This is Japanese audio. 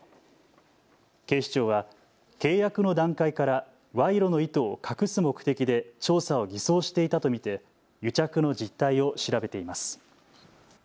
警視庁は契約の段階から賄賂の意図を隠す目的で調査を偽装していたと見て癒着の実態を調べています。